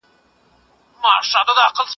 يا هم دغه ايت.